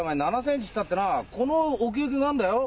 ７センチったってなこの奥行きがあんだよ？